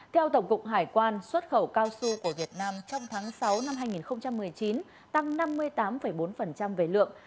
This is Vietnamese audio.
theo tổng cục hải quan xuất khẩu cao su của việt nam trong tháng sáu năm hai nghìn một mươi chín tăng năm mươi tám bốn về lượng